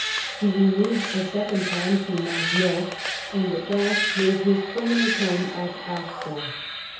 He re moved, a second time, to Marnoz, and at last made his permanent home at Arbois.